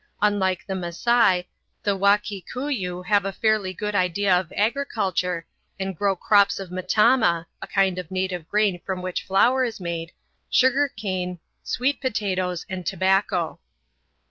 Unlike the Masai, the Wa Kikuyu have a fairly good idea of agriculture, and grow crops of m'tama (a kind of native grain from which flour is made), sugar cane, sweet potatoes, and tobacco.